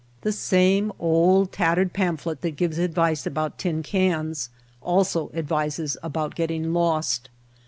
The same old, tattered pamphlet that gives advice about tin cans also advises about getting lost.